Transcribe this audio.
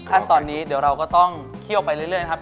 ขั้นตอนนี้เดี๋ยวเราก็ต้องเคี่ยวไปเรื่อยครับ